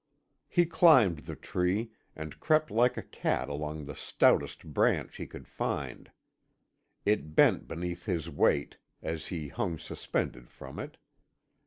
He climbed the tree, and crept like a cat along the stoutest branch he could find. It bent beneath his weight as he hung suspended from it.